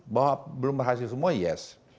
bahwa belum berhasil semua yes